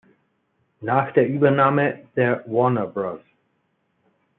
Nach der Übernahme der "Warner Bros.